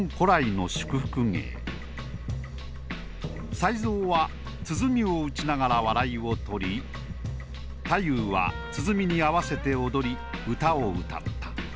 才蔵は鼓を打ちながら笑いを取り太夫は鼓に合わせて踊り歌をうたった。